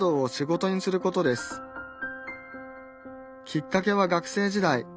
きっかけは学生時代。